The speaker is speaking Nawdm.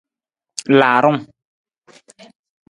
Laarung.